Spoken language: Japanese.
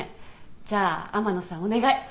じゃあ天野さんお願い。